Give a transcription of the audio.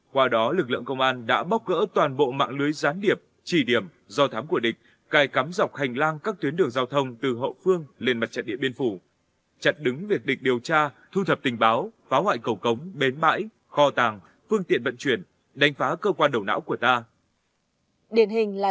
qua đó lực lượng công an đã bóc gỡ toàn bộ mạng lưới gián điệp chỉ điểm do thám của địch cài cắm dọc hành lang các tuyến đường giao thông từ hậu phương lên mặt trận địa biên phủ chặt đứng việc địch điều tra thu thập tình báo phá hoại cầu cống bến mãi kho tàng phương tiện vận chuyển đánh phá cơ quan đầu não của ta